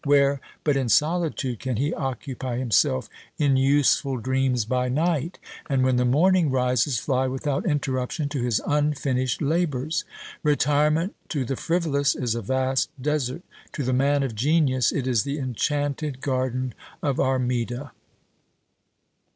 where but in solitude can he occupy himself in useful dreams by night, and, when the morning rises, fly without interruption to his unfinished labours? Retirement to the frivolous is a vast desert, to the man of genius it is the enchanted garden of Armida.